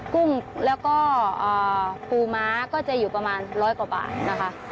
กุ้งแล้วก็ปูม้าก็จะอยู่ประมาณร้อยกว่าบาทนะคะ